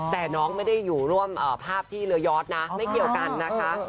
แต่น้องไม่ได้อยู่ร่วมภาพที่เรือยอดนะไม่เกี่ยวกันนะคะ